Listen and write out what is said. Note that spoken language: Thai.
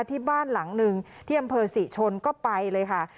ที่บ้านหลังหนึ่งที่อำเภอศรีชนก็ไปเลยค่ะ